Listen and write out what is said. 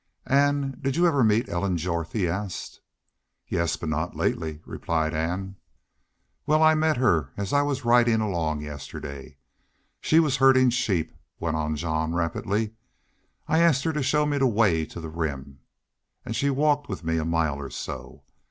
"Ann, did you ever meet Ellen Jorth?" he asked. "Yes, but not lately," replied Ann. "Well, I met her as I was ridin' along yesterday. She was herdin' sheep," went on Jean, rapidly. "I asked her to show me the way to the Rim. An' she walked with me a mile or so.